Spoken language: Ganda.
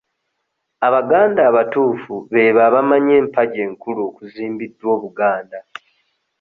Abaganda abatuufu beebo abamanyi empagi enkulu okuzimbiddwa Obuganda.